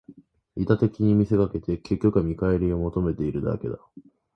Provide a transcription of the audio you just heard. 利他的に見せかけて、結局は見返りを求めているだけだ